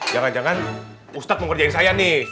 jangan jangan ustaz mengerjain saya nih